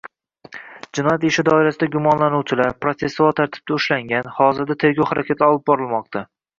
Jinoyat ishi doirasida gumonlanuvchilar protsessual tartibda ushlangan, hozirda tergov harakatlari olib borilmoqda